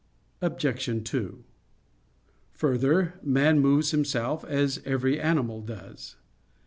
Obj. 2: Further, man moves himself as every animal does.